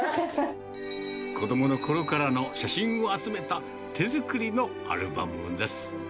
子どものころからの写真を集めた手作りのアルバムです。